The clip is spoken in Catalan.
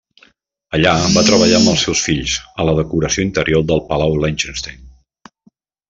Allà va treballar amb els seus fills a la decoració interior del Palau Liechtenstein.